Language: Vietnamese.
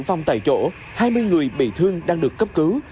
vong tại chỗ hai mươi người bị thương đang được cấp cứu